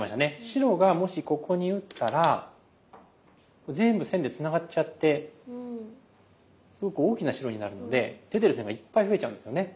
白がもしここに打ったら全部線でつながっちゃってすごく大きな白になるので出てる線がいっぱい増えちゃうんですね。